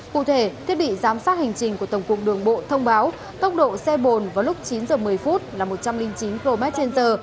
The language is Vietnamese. cụ thể thiết bị giám sát hành trình của tổng cục đường bộ thông báo tốc độ xe bồn vào lúc chín h một mươi là một trăm linh chín km trên giờ